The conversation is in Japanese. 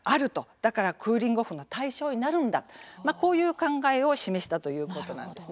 だからクーリング・オフの対象になるんだと、こういう考えを示したということです。